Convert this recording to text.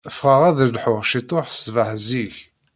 Ffɣeɣ ad lḥuɣ ciṭuḥ ṣṣbeḥ zik.